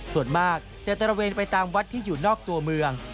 ส่วนมากจะตระเวนไปตามวัดที่อยู่นอกตัวเมือง